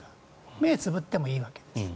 目をつむってもいいわけです。